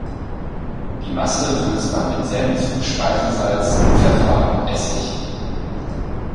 Die Masse würzt man mit Senf, Speisesalz, Pfeffer und Essig.